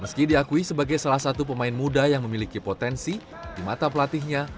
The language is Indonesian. meski diakui sebagai salah satu pemain muda yang memiliki potensi di mata pelatihnya